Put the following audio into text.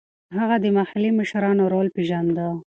هغه د محلي مشرانو رول پېژانده.